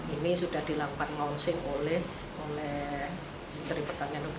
ini sudah dilakukan ngonsing oleh kementerian pertanian bintang indonesia